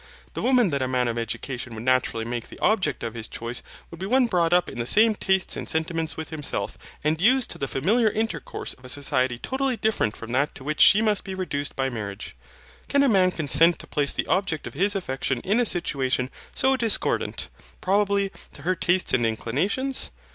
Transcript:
The woman that a man of education would naturally make the object of his choice would be one brought up in the same tastes and sentiments with himself and used to the familiar intercourse of a society totally different from that to which she must be reduced by marriage. Can a man consent to place the object of his affection in a situation so discordant, probably, to her tastes and inclinations?